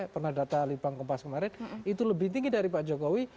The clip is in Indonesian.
pernah data lipang ke pas kemarin itu lebih tinggi dari pak jokowi